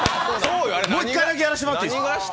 もう一回だけやらせてもらっていいですか？